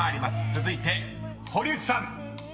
続いて堀内さん］